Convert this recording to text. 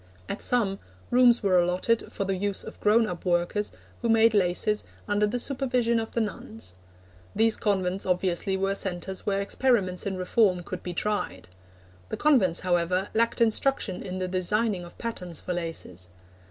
At some, rooms were allotted for the use of grown up workers who made laces under the supervision of the nuns. These convents obviously were centres where experiments in reform could be tried. The convents, however, lacked instruction in the designing of patterns for laces.